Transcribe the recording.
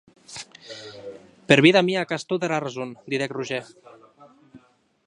Per vida mia qu’as tota era rason, didec Roger.